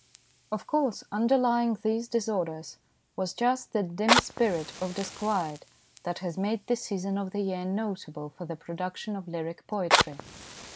Of course, underlying these disorders was just that dim spirit of disquiet that has made this season of the year notable for the production of lyric poetry.